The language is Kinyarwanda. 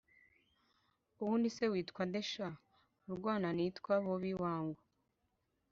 ubundi se witwa nde sha!? urwana nitwa bobi wangu